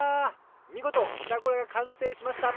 みごと「ピタゴラ」がかんせいしました